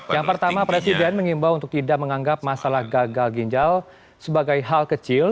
yang pertama presiden mengimbau untuk tidak menganggap masalah gagal ginjal sebagai hal kecil